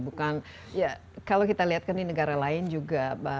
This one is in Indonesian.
bukan ya kalau kita lihat kan di negara lain juga